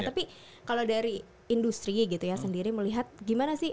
tapi kalau dari industri gitu ya sendiri melihat gimana sih